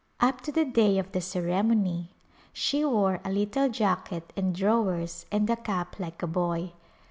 Up to the day of the ceremony she wore a little jacket and drawers and a cap like a boy.